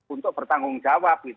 untuk bertanggung jawab